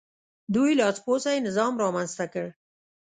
دوی لاسپوڅی نظام رامنځته کړ.